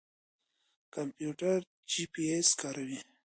کمپيوټر جيپي اېس کاروي.